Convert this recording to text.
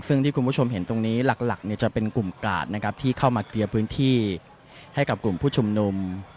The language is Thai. ซึ่งที่คุณผู้ชมเห็นตรงนี้หลักจะเป็นกลุ่มกาดนะครับที่เข้ามาเคลียร์พื้นที่ให้กับกลุ่มผู้ชุมนุม